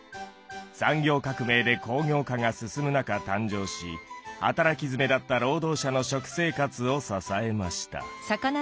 産業革命で工業化が進む中誕生し働きづめだった労働者の食生活を支えました。